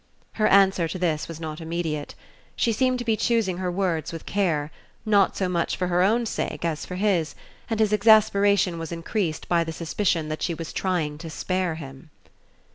Her answer to this was not immediate. She seemed to be choosing her words with care, not so much for her own sake as for his, and his exasperation was increased by the suspicion that she was trying to spare him.